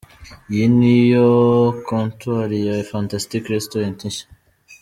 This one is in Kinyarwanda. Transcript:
Iyi ni yo 'Comptoir' ya Fantastic restaurant nshya.